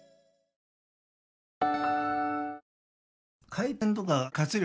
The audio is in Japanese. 回転とか活力